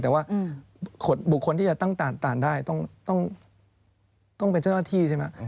แต่ว่าบุคคลที่จะตั้งตานได้ต้องเป็นเจ้าหน้าที่ใช่ไหม